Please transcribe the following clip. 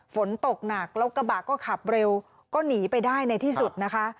ฝนตกหนักแล้วกระบะก็ขับเร็วก็หนีไปได้ในที่สุดนะคะ